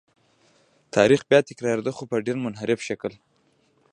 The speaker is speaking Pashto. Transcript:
تاریخ بیا تکرارېده خو په ډېر منحرف شکل.